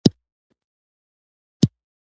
وینز به د نړۍ لومړۍ پرانېسته ټولنه وي